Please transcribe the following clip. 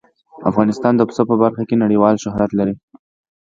افغانستان د پسه په برخه کې نړیوال شهرت لري.